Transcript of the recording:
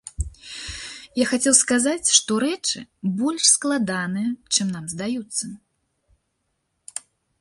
Я хацеў сказаць, што рэчы больш складаныя, чым нам здаюцца.